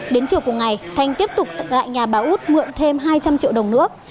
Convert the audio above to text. đến chiều cùng ngày thanh tiếp tục gại nhà bà út mượn thêm hai trăm linh triệu đồng nữa